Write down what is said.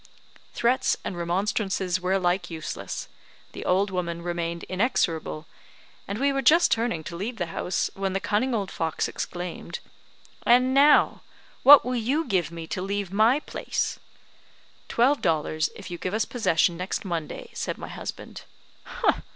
Threats and remonstrances were alike useless, the old woman remained inexorable; and we were just turning to leave the house, when the cunning old fox exclaimed, "And now, what will you give me to leave my place?" "Twelve dollars, if you give us possession next Monday," said my husband.